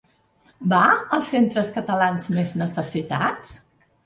Va als centres catalans més necessitats?